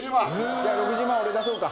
じゃあ、６０万、俺、出そうか？